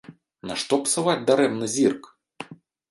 Нашто псаваць дарэмна зірк?